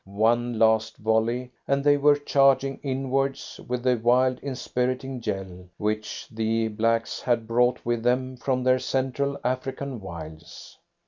One last volley, and they were charging inwards with the wild inspiriting yell which the blacks had brought with them from their central African wilds.